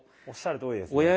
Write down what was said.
おっしゃるとおりです。